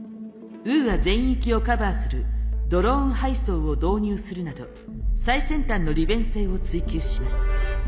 ウーア全域をカバーするドローン配送を導入するなど最先端の利便性を追求します。